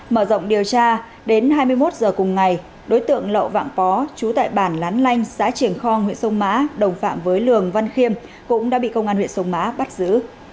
mở rộng điều tra đến hai mươi một h cùng ngày đối tượng lậu vạn bó chú tại bản lán lanh xã triển kho huyện sông mã đồng phạm với lường văn khiêm cũng đã bị công an huyện sông mã bắt giữ